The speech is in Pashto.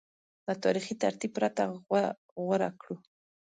له تاریخي ترتیب پرته غوره کړو